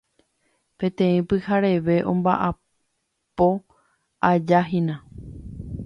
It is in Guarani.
Peteĩ pyhareve omba'apo'ajahína